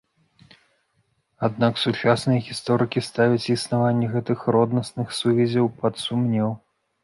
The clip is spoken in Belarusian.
Аднак сучасныя гісторыкі ставяць існаванне гэтых роднасных сувязяў пад сумнеў.